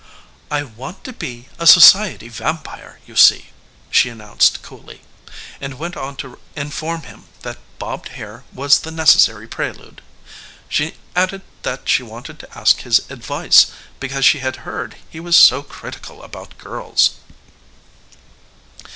"I want to be a society vampire, you see," she announced coolly, and went on to inform him that bobbed hair was the necessary prelude. She added that she wanted to ask his advice, because she had heard he was so critical about girls.